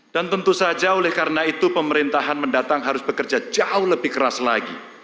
tentu saja oleh karena itu pemerintahan mendatang harus bekerja jauh lebih keras lagi